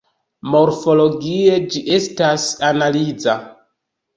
Morfologie, ĝi estas analiza.